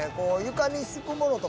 床に敷くものとか。